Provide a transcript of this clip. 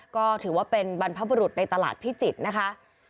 ก็ถือว่าเป็นบรรพบุรุษในตลาดพิจิตรนะคะ